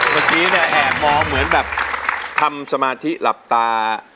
เมื่อกี้แอบมองเหมือนธรรมสมาธิหลับตา